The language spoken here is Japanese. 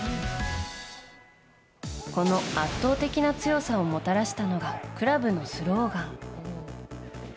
この圧倒的な強さをもたらしたのがクラブのスローガン。